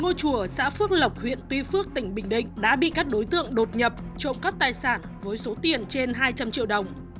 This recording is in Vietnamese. các đối tượng ở xã phước lộc huyện tuy phước tỉnh bình định đã bị các đối tượng đột nhập trộm các tài sản với số tiền trên hai trăm linh triệu đồng